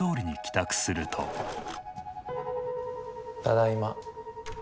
ただいま。